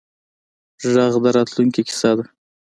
غږ د راتلونکې کیسه ده